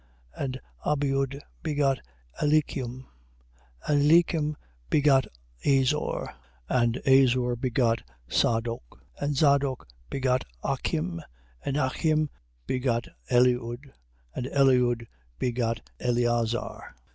And Abiud begot Eliacim. And Eliacim begot Azor. 1:14. And Azor begot Sadoc. And Sadoc begot Achim. And Achim begot Eliud. 1:15. And Eliud begot Eleazar.